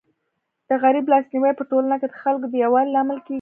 د غریب لاس نیوی په ټولنه کي د خلکو د یووالي لامل کيږي.